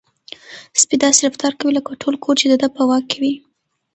سپی داسې رفتار کوي لکه ټول کور چې د ده په واک کې وي.